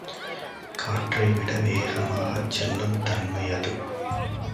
காற்றைவிட வேகமாகச் செல்லும் தன்மையது.